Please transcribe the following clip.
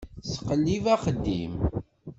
Tettqellib axeddim.